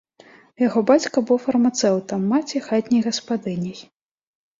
Яго бацька быў фармацэўтам, маці хатняй гаспадыняй.